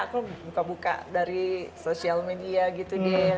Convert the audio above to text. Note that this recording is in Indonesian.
aku buka buka dari sosial media gitu deh